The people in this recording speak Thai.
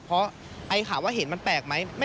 เพราะไอ้ข่าวว่าเห็นมันแปลกไหม